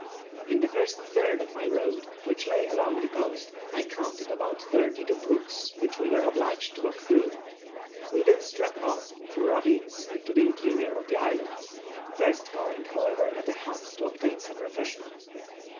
In the first third of my road, which lay along the coast, I counted about thirty two brooks which we were obliged to walk through. We then struck off, through ravines, into the interior of the island, first calling, however, at a hut to obtain some refreshment.